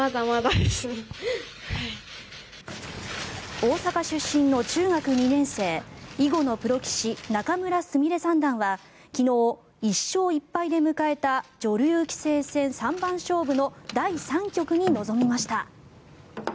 大阪出身の中学２年生囲碁のプロ棋士、仲邑菫三段は昨日、１勝１敗で迎えた女流棋聖戦三番勝負の第３局に臨みました。